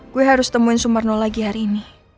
gue harus temuin sumarno lagi hari ini